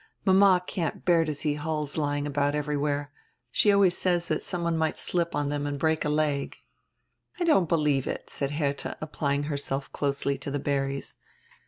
Mama can't bear to see hulls lying about everywhere. She always says that some one might slip on diem and break a leg." "I don't believe it," said Herdia, applying herself closely to die berries.